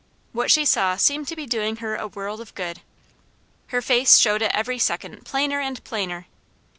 What she saw seemed to be doing her a world of good. Her face showed it every second plainer and plainer.